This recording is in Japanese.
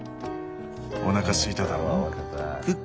おなかすいただろう？